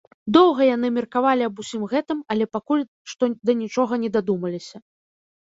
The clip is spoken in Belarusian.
Доўга яны меркавалі аб усім гэтым, але пакуль што да нічога не дадумаліся.